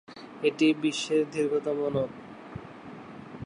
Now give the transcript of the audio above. এটি বিশ্বের দীর্ঘতম নদ।